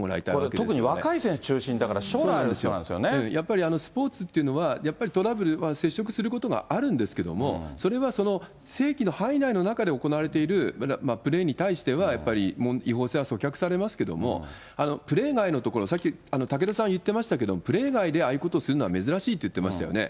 これ、特に若い選手中心だから、やっぱりスポーツっていうのは、やっぱりトラブル、接触することがあるんですけども、それはその正規の範囲内の中で行われているプレーに対しては、やっぱり違法性は阻却されますけど、プレー外のところ、さっき、武田さん言ってましたけど、プレー外でああいうことをするのは珍しいって言ってましたよね。